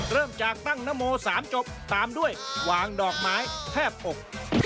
เริ่มจากตั้งนโม๓จบตามด้วยวางดอกไม้แทบอก